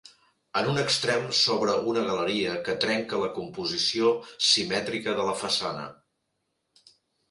En un extrem s'obre una galeria que trenca la composició simètrica de la façana.